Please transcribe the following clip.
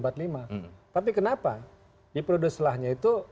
tapi kenapa di produslahnya itu